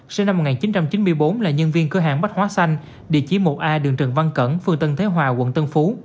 sinh năm một nghìn chín trăm chín mươi bốn là nhân viên cửa hàng bách hóa xanh địa chỉ một a đường trần văn cẩn phường tân thế hòa quận tân phú